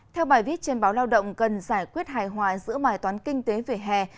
theo bài viết trên báo lao động cần giải quyết hài hoại giữa bài toán kinh tế vẻ hè